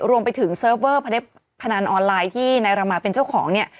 รวมไปถึงเซิร์ฟเวอร์พนันออนไลน์ที่นายรามาเป็นเจ้าของเนี่ย